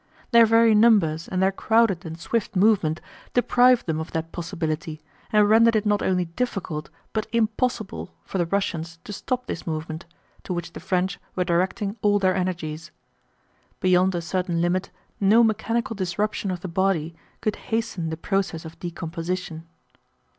Their very numbers and their crowded and swift movement deprived them of that possibility and rendered it not only difficult but impossible for the Russians to stop this movement, to which the French were directing all their energies. Beyond a certain limit no mechanical disruption of the body could hasten the process of decomposition.